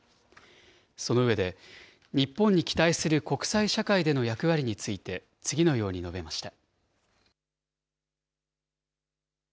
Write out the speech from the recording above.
その上で、日本に期待する国際社会での役割について、次のように述べました。